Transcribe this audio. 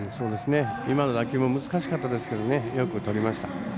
今の打球も難しかったですけどよくとりました。